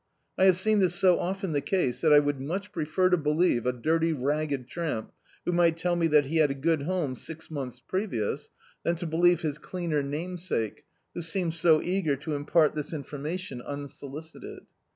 I have seen this so often the case that I would much prefer to believe a dirty ra^ed tramp who might tell me that he had a good home six months previous, than to believe his cleaner namesake, who seems so eager to impart this information unsolicited.